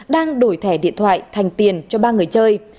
đang đổi thẻ điện thoại thành tiền cho ba người chơi